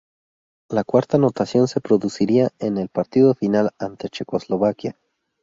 La cuarta anotación se produciría en el partido final ante Checoslovaquia.